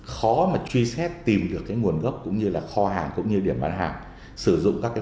khó mà truy xét tìm được cái nguồn gốc cũng như là kho hàng cũng như điểm bán hàng